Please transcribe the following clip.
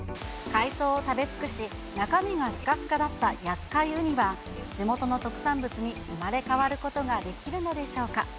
海藻を食べ尽くし、中身がすかすかだったやっかいウニは、地元の特産物に生まれ変わることができるのでしょうか。